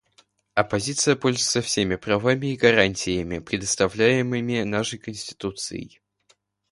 Оппозиция пользуется всеми правами и гарантиями, предоставляемыми нашей Конституцией.